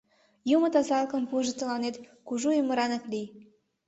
Юмо тазалыкым пуыжо тыланет, кужу ӱмыранак лий!